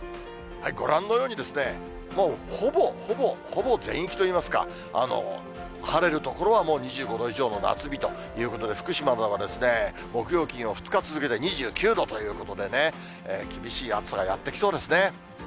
ご覧のようにもう、ほぼほぼ、ほぼ全域といいますか、晴れる所はもう２５度以上の夏日ということで、福島は木曜、金曜２日続けて２９度ということでね、厳しい暑さがやって来そうですね。